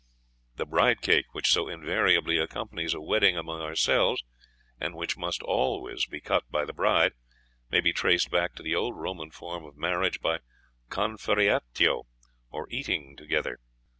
"The bride cake which so invariably accompanies a wedding among ourselves, and which must always be cut by the bride, may be traced back to the old Roman form of marriage by 'conferreatio,' or eating together.